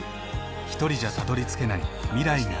ひとりじゃたどりつけない未来がある。